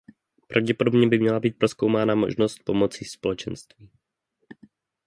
Pravděpodobně by měla být prozkoumána možnost pomoci Společenství.